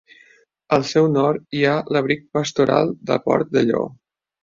Al seu nord hi ha l'Abric Pastoral de Port de Llo.